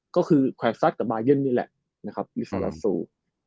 ก็คือแขวนสัตว์กับบายอนนี่แหละลิซาลาซู